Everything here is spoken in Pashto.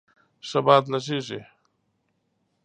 ښه باد لږیږی